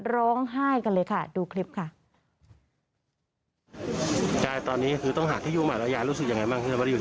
ร้องไห้กันเลยค่ะดูคลิปค่ะ